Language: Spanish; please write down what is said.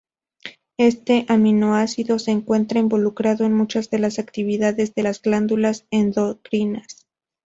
Este aminoácido se encuentra involucrado en muchas de las actividades de las glándulas endocrinas.